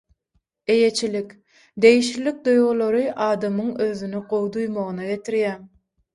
Eýeçilik, degişlilik duýgulary adamyň özüni gowy duýmagyna getirýär.